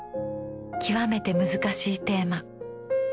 極めて難しいテーマ。